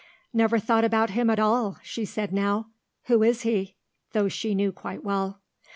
"Never thought about him at all," she said now. "Who is he?" though she knew quite well.